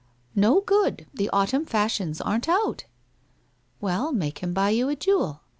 ' Xo good. The autumn fashions aren't out! '' Well, make him buy you a jewel.